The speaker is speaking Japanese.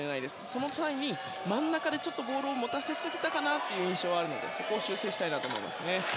その際、真ん中でボールを持たせすぎたという印象はあるのでそこを修正したいです。